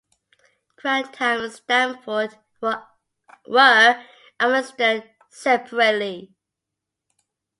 Grantham and Stamford were administered separately.